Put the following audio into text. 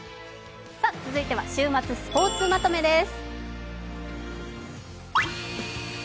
続いては週末スポーツまとめです。